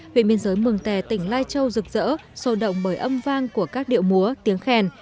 huyện biên giới mừng tè tỉnh lai châu rực rỡ sâu động bởi âm vang của các điệu múa tiếng khen